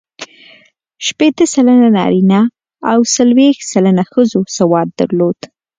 شپېته سلنه نارینه او څلوېښت سلنه ښځو سواد درلود.